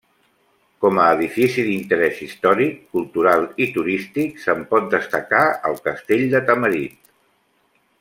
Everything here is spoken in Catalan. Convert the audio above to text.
Com a edifici d'interès històric, cultural i turístic se'n pot destacar el Castell de Tamarit.